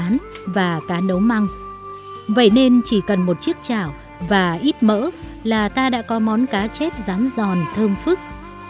nấu măng vậy nên chỉ cần một chiếc chảo và ít mỡ là ta đã có món cá chép rán giòn thơm phức